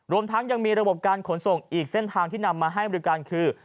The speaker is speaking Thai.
รวมทั้งยังมีระบบการขนส่งอีกเส้นทางที่นำมาให้บริการคือ